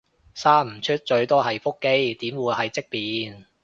生唔出最多係腹肌，點會係積便